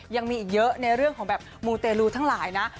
ยังมีอีกเยอะในเรื่องของแบบมูเตลูทั้งหลายนะ